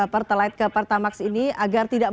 pertalite ke pertamax ini agar tidak